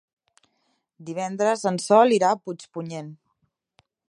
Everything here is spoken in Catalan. Divendres en Sol irà a Puigpunyent.